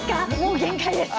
限界です。